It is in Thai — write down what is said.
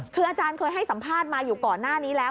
คืออาจารย์เคยให้สัมภาษณ์มาอยู่ก่อนหน้านี้แล้ว